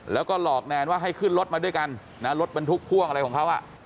แล้วก็หลอกแนนว่าให้ขึ้นรถมาด้วยกันนะรถบรรทุกพ่วงอะไรของเขา